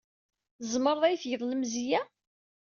Tzemreḍ ad iyi-tgeḍ lemzeyya?